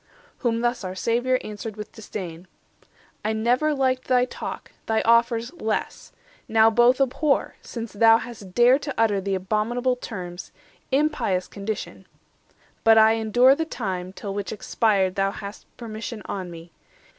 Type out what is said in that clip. Whom thus our Saviour answered with disdain:— 170 "I never liked thy talk, thy offers less; Now both abhor, since thou hast dared to utter The abominable terms, impious condition. But I endure the time, till which expired Thou hast permission on me.